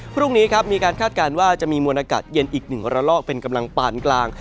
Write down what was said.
พรุ่งนี้ครับมีการคาดการณ์ว่าจะมีมวลอากาศเย็นอีกหนึ่งระลอกเป็นกำลังปานกลาง